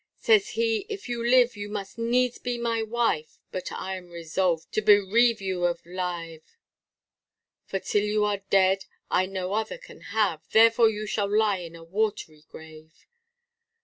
Says he if you live you must needs be my wife, But I am resolved to bereave you of live: For 'till you are dead I no other can have, Therefore you shall lie in a watery grave.